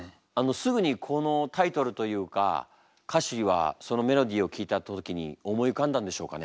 すぐにこのタイトルというか歌詞はそのメロディーを聴いた時に思い浮かんだんでしょうかね。